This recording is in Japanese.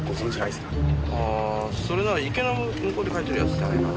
ああそれなら池の向こうで描いてる奴じゃないかな？